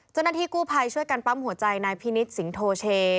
เจ้าหน้าที่กู้ภัยช่วยกันปั๊มหัวใจนายพินิษฐ์สิงโทเช